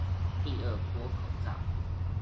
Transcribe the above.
第二波口罩